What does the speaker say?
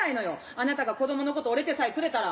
あなたが子供のこと折れてさえくれたら。